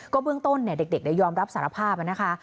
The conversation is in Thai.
ก็เบื้องต้นเนี่ยเด็กได้ยอมรับสารภาพนะคะ